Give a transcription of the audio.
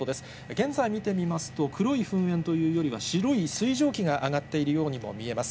現在見てみますと、黒い噴煙というよりは、白い水蒸気が上がっているようにも見えます。